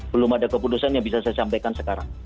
belum ada keputusan yang bisa saya sampaikan sekarang